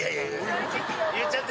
言っちゃった。